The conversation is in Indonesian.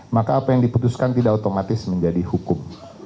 maka apa yang diputuskan tidak otomatis menjadi hukum